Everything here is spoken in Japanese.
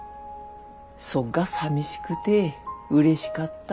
そっがさみしくてうれしかった。